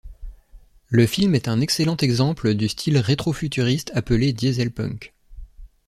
Le film est un excellent exemple du style rétro-futuriste appelé Dieselpunk.